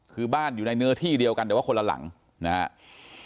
คือบ้านอยู่ในเนื้อที่เดียวกันแต่ว่าคนละหลังนะครับ